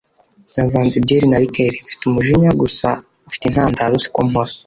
navanze biere na riker mfite umujinya gusa ufite intandaro siko mpora